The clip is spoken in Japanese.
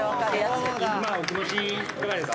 「お気持ちいかがです？」